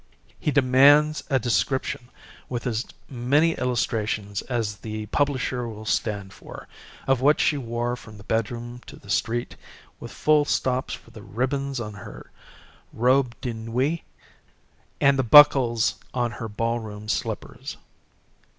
He demands a description, with as many illustrations as the publisher will stand for, of what she wore from the bedroom to the street, with full stops for the ribbons on her robe de nuit, and the buckles on her ballroom slippers.